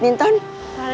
justru ada satu